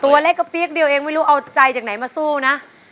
ตัวเล็กก็เปี๊ยกเดียวเองไม่รู้เอาใจจากไหนมาสู้นะ